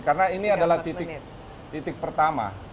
karena ini adalah titik pertama